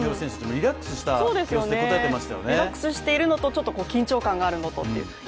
リラックスしているのとちょっと緊張感があるというのと。